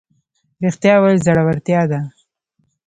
رښتیا ویل زړورتیا ده